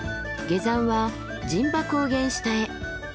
下山は陣馬高原下へ。